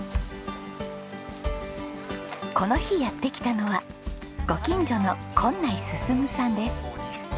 この日やって来たのはご近所の根内進さんです。